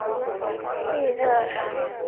于伊特尔。